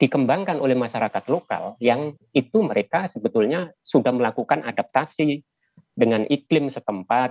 dikembangkan oleh masyarakat lokal yang itu mereka sebetulnya sudah melakukan adaptasi dengan iklim setempat